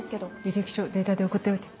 履歴書データで送っておいて。